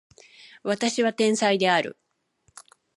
私は天才である